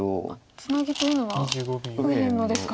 ツナギというのは右辺のですか？